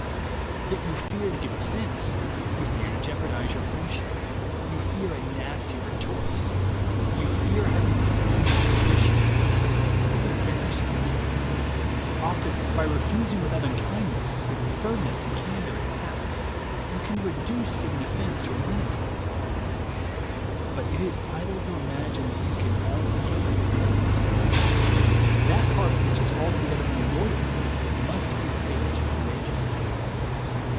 Yet you fear to give offense; you fear to jeopardize your friendship; you fear a nasty retort; you fear having to defend your position; you fear embarrassment. Often by refusing with out unkindness, but with firmness and candor and tact, you can reduce giving offense to a minimum, but it is idle to imagine that you can altogether avoid it. That part which is altogether unavoidable must be faced courageously.